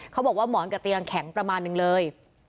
เขาบอกว่าหมอนกับเตียงแข็งประมาณนึงเลย